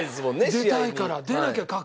出たいから。